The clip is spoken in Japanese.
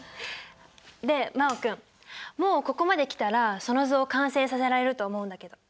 で真旺君もうここまできたらその図を完成させられると思うんだけど。